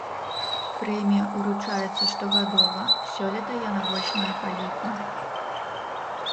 Прэмія ўручаецца штогадова, сёлета яна восьмая па ліку.